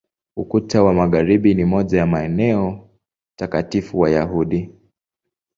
Ukuta wa Magharibi ni moja ya maeneo takatifu Wayahudi.